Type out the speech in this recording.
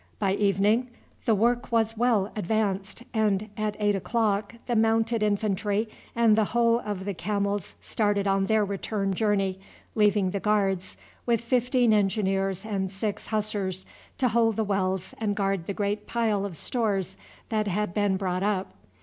By evening the work was well advanced, and at eight o'clock the Mounted Infantry and the whole of the camels started on their return journey, leaving the Guards, with fifteen Engineers and six Hussars, to hold the wells and guard the great pile of stores that had been brought up.